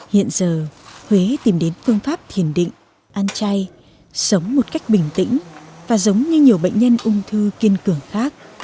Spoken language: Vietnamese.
hiện giờ huế tìm đến phương pháp thiền định ăn chay sống một cách bình tĩnh và giống như nhiều bệnh nhân ung thư kiên cường khác